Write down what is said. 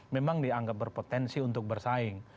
memang dianggap berpotensi untuk bersaing